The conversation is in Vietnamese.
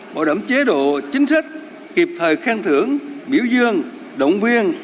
bảo đảm chế độ chính sách kịp thời khen thưởng biểu dương động viên